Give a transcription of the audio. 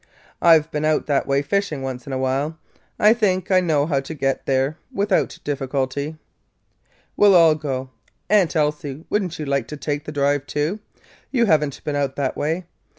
I 've been out that way fishing, once in a while. I think I know how to get there without difficulty. We 'll all go. Aunt Elsie, would n't you like to take the drive too? You have n't been out that way.